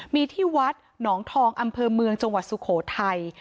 มีที่วัดหนองทองอำเภอเมืองจังหวัดสุโขทัย